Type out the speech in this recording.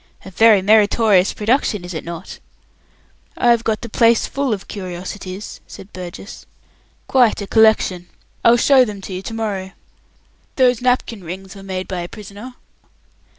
A very meritorious production, is it not?" "I've got the place full of curiosities," said Burgess; "quite a collection. I'll show them to you to morrow. Those napkin rings were made by a prisoner."